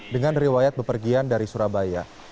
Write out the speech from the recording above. dengan riwayat bepergian dari surabaya